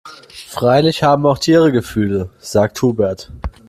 Freilich haben auch Tiere Gefühle, sagt Hubert.